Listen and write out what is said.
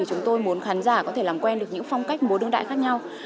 chúng tôi muốn khán giả có thể làm quen được những phong cách múa đương đại khác nhau